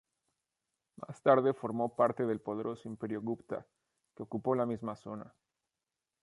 Más tarde formó parte del poderoso Imperio gupta, que ocupó la misma zona.